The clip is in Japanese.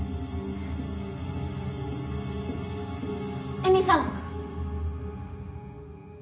絵美さん。